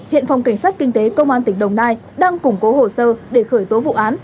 hiện phòng cảnh sát kinh tế công an tỉnh đồng nai đang củng cố hồ sơ để khởi tố vụ án